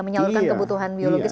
menyeluruhkan kebutuhan biologis